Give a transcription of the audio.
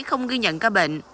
không ghi nhận ca bệnh